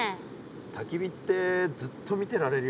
たき火ってずっと見てられるよな。